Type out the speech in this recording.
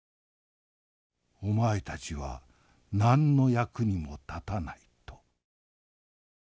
お前たちは何の役にも立たないと」。